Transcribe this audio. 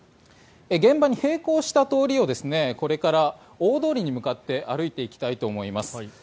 現場に並行した通りをこれから、大通りに向かって歩いていきたいと思います。